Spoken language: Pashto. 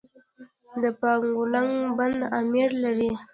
د یکاولنګ بند امیر لري